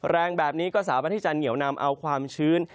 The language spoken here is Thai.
แรงแบบนี้ก็สามารถที่จะเหนียวนำเอาความชื้น